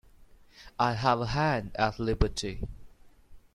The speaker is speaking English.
I have a hand at liberty.